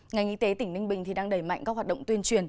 ngành y tế tỉnh ninh bình đang đẩy mạnh các hoạt động tuyên truyền